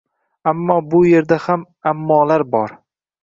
Ammo bu yerda ham «ammo»lar bor...